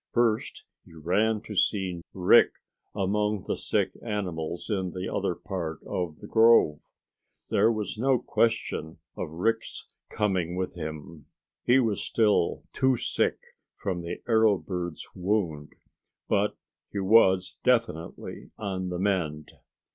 First he ran to see Rick among the sick animals in the other part of the grove. There was no question of Rick's coming with him. He was still too sick from the arrow bird's wound, but he was definitely on the mend.